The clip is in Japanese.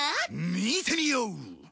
見てみよう！